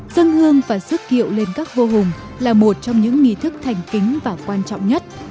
dân hương và sức kiệu lên các vô hùng là một trong những nghi thức thành kính và quan trọng nhất